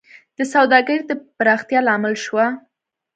د سوداګرۍ د پراختیا لامل شوه